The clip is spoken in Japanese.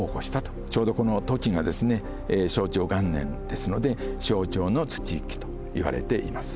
ちょうどこの時がですね正長元年ですので正長の土一揆といわれています。